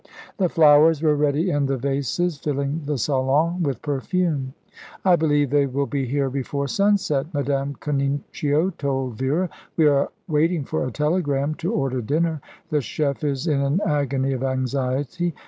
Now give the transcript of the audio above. The flowers were ready in the vases, filling the salon with perfume. "I believe they will be here before sunset," Madame Canincio told Vera. "We are waiting for a telegram to order dinner. The chef is in an agony of anxiety.